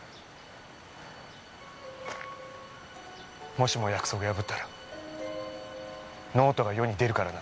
もしも約束破ったらノートが世に出るからな。